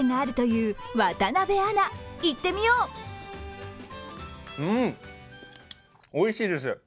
うーん、おいしいです。